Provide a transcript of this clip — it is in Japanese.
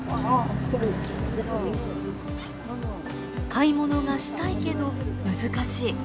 買い物がしたいけど難しい。